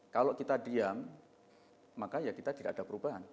kalau kita diam maka ya kita tidak ada perubahan